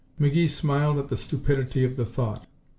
McGee smiled at the stupidity of the thought.